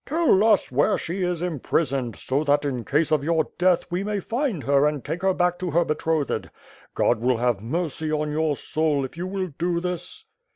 '' "Tell us where she is imprisoned, so that, in case of your death, we may find her and take her back to her betrothed. God will have mercy on your soul if you will do this."